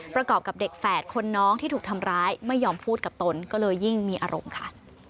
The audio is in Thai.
ประกอบกับเด็กแฝดคนน้องที่ถูกทำร้ายไม่ยอมพูดกับตนก็เลยยิ่งมีอารมณ์ค่ะ